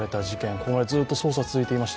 これまでずっと捜査が続いていました。